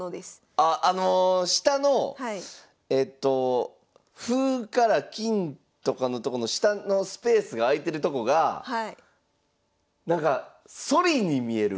あっあの下のえっと歩から金とかのとこの下のスペースが空いてるとこがなんかソリに見える。